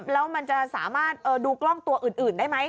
แล้วมันจะสามารถดูกล้องตัวอื่นได้ไหม